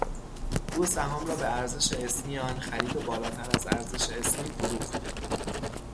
او سهام را به ارزش اسمی آن خرید و بالاتر از ارزش اسمی فروخت.